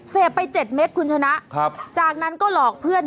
เสพไป๗เม็ดคุณชนะจากนั้นก็หลอกเพื่อน